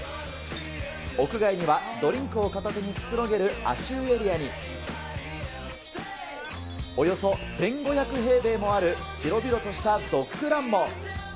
屋外にはドリンクを片手にくつろげる足湯エリアに、およそ１５００平米もある広々としたドッグランも。